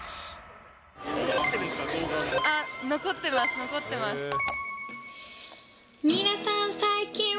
残ってます、残ってます。